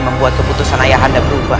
membuat keputusan ayahanda berubah